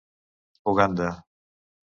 Uganda.